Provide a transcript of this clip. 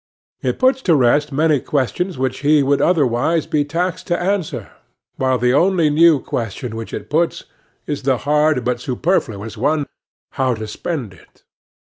It puts to rest many questions which he would otherwise be taxed to answer; while the only new question which it puts is the hard but superfluous one, how to spend it.